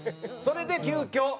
それで急遽。